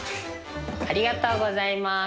ありがとうございます！